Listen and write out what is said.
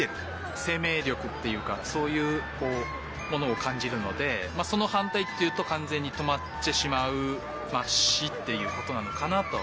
生めい力っていうかそういうものをかんじるのでそのはんたいっていうとかんぜんにとまってしまう「し」っていうことなのかなと。